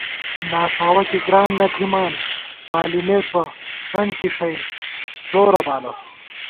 ناݭاوَہ کی گران نہ تھِمان بالِمېس بہ کݨکی ݭئ زورہ بالہ